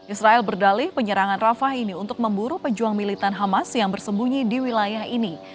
israel berdalih penyerangan rafah ini untuk memburu pejuang militan hamas yang bersembunyi di wilayah ini